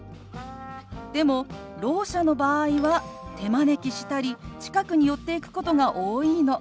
でもろう者の場合は手招きしたり近くに寄っていくことが多いの。